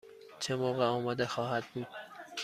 چه موقع آماده خواهد بود؟